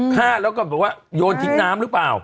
ฆ่าแล้วก็บอกว่าโยนทิ้งน้ำหรือเปล่า